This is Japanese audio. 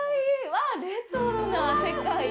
わあレトロな世界が。